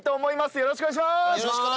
よろしくお願いします。